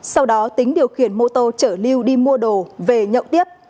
sau đó tính điều khiển mô tô chở lưu đi mua đồ về nhậu tiếp